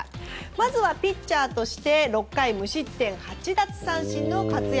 まずはピッチャーとして６回無失点８奪三振の活躍。